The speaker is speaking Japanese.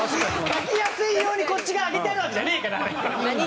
書きやすいようにこっち側空けてあるわけじゃねえから。